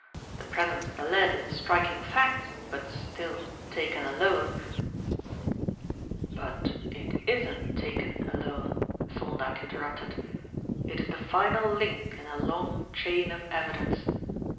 The presence of the lead is a striking fact, but still, taken alone " "But it isn't taken alone," Thorndyke interrupted. "It is the final link in a long chain of evidence.